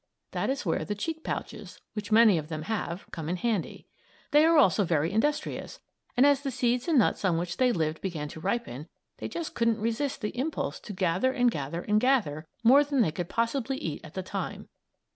That is where the cheek pouches, which many of them have, come in handy. They are also very industrious, and as the seeds and nuts on which they lived began to ripen, they just couldn't resist the impulse to gather and gather and gather more than they could possibly eat at the time.